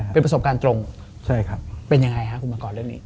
เป็นประสบการณ์ตรงใช่ครับเป็นยังไงฮะคุณมังกรเรื่องนี้